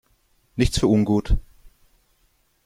Nichts für ungut!